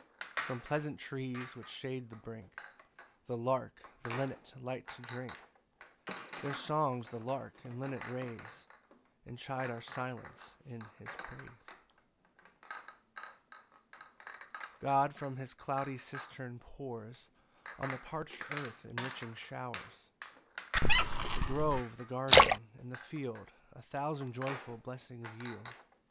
8 From pleasant trees which shade the brink The lark and linnet light to drink; Their songs the lark and linnet raise; And chide our silence in his praise. PAUSE I. 9 God from his cloudy cistern, pours On the parch'd earth enriching showers; The grove, the garden, and the field A thousand joyful blessings yield.